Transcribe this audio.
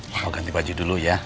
mau ganti baju dulu ya